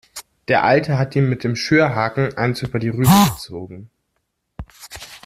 Der Alte hat ihm mit dem Schürhaken eins über die Rübe gezogen.